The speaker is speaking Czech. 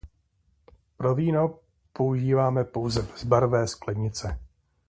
Pro víno používáme pouze bezbarvé sklenice.